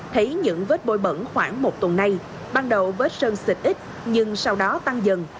thấy những vết bôi bẩn khoảng một tuần nay ban đầu vết sơn xịt ít nhưng sau đó tăng dần